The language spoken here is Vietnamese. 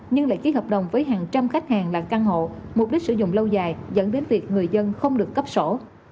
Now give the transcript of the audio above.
nhưng lại ký hợp đồng với hàng trăm khách hàng là căn hộ mục đích sử dụng lâu dài dẫn đến việc người dân không được cấp sổ